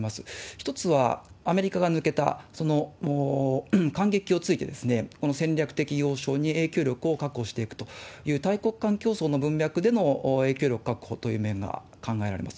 一つは、アメリカが抜けたその間隙をついて、この戦略的要衝に影響力を確保していくという、大国間競争の文脈での影響力確保という面が考えられます。